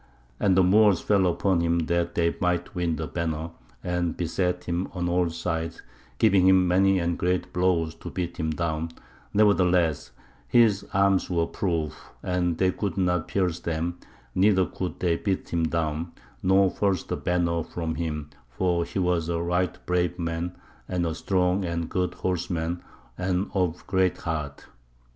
And the Moors fell upon him that they might win the banner, and beset him on all sides, giving him many and great blows to beat him down; nevertheless, his arms were proof, and they could not pierce them, neither could they beat him down, nor force the banner from him, for he was a right brave man and a strong and a good horseman, and of great heart.